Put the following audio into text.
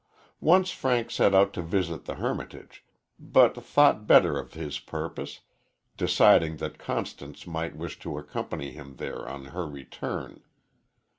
Once Frank set out to visit the hermitage, but thought better of his purpose, deciding that Constance might wish to accompany him there on her return.